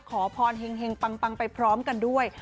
ขอพรแห่งปังไปพร้อมกันด้วย